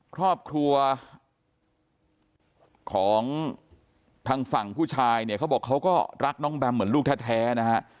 ครอบครัวของทางฝั่งผู้ชายเนี่ยเขาบอกเขาก็รักน้องแบมเหมือนลูกแท้นะฮะ